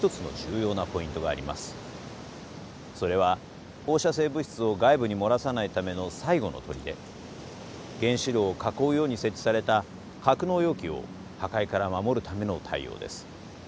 それは放射性物質を外部に漏らさないための最後の砦原子炉を囲うように設置された格納容器を破壊から守るための対応です。